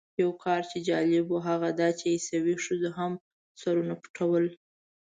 یو کار چې جالب و هغه دا چې عیسوي ښځو هم سرونه پټول.